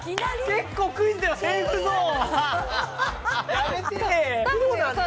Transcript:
結構クイズではセーフゾーン。